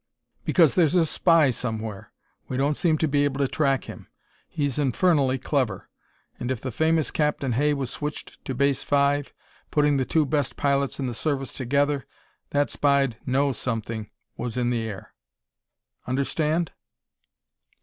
Because there's a spy somewhere we don't seem to be able to track him; he's infernally clever and if the famous Captain Hay was switched to Base 5, putting the two best pilots in the service together, that spy'd know something was in the air. Understand?"